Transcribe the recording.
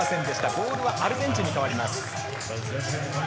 ボールはアルゼンチンにかわります。